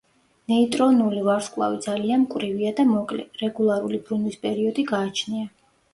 ნეიტრონული ვარსკვლავი ძალიან მკვრივია და მოკლე, რეგულარული ბრუნვის პერიოდი გააჩნია.